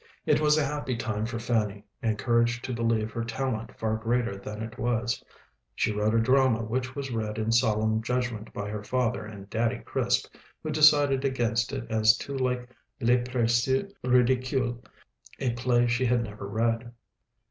It was a happy time for Fanny, encouraged to believe her talent far greater than it was. She wrote a drama which was read in solemn judgment by her father and "Daddy Crisp," who decided against it as too like 'Les Précieuses Ridicules,' a play she had never read.